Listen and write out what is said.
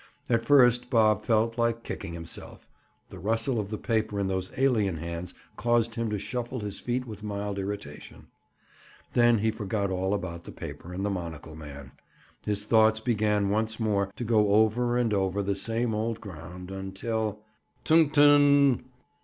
At first, Bob felt like kicking himself; the rustle of the paper in those alien hands caused him to shuffle his feet with mild irritation. Then he forgot all about the paper and the monocle man. His thoughts began once more to go over and over the same old ground, until— "T'nk'n!"